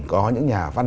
có những nhà văn